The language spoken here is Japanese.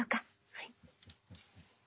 はい。